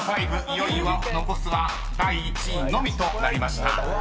いよいよ残すは第１位のみとなりました］